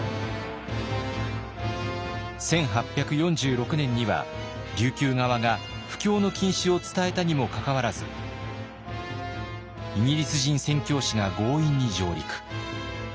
１８４６年には琉球側が布教の禁止を伝えたにもかかわらずイギリス人宣教師が強引に上陸。